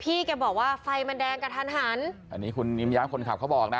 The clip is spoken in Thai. แกบอกว่าไฟมันแดงกระทันหันอันนี้คุณยิ้มย้าคนขับเขาบอกนะ